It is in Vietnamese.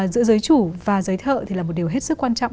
giữa giới chủ và giới thiệu thì là một điều hết sức quan trọng